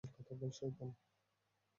কথা বল, শয়তান!